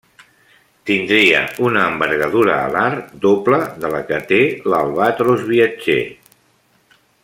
Tindria una envergadura alar doble de la que té l'albatros viatger.